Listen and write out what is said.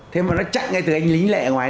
thế mà nó chặn ngay từ anh lính lệ ngoài